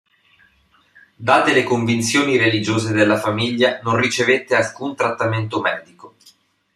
Date le convinzioni religiose della famiglia, non ricevette alcun trattamento medico.